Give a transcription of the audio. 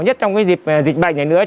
nhất trong dịch bệnh này nữa